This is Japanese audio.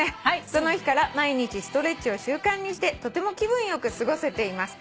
「その日から毎日ストレッチを習慣にしてとても気分良く過ごせています。